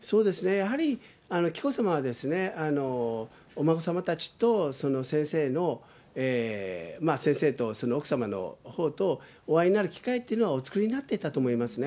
やはり紀子さまは、お孫さまたちと先生とその奥様のほうとお会いになる機会っていうのは、お作りになっていたと思いますね。